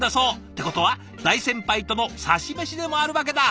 ってことは大先輩とのさし飯でもあるわけだ。